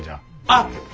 あっ。